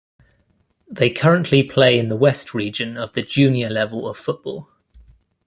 They currently play in the West Region of the Junior level of football.